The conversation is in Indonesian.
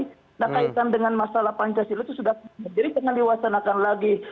nah kaitan dengan masalah pancasila itu sudah jadi jangan diwasanakan lagi